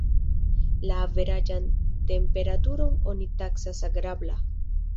La averaĝan temperaturon oni taksas agrabla.